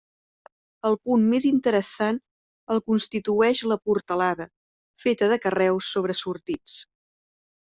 El punt més interessant el constitueix la portalada, feta de carreus sobresortits.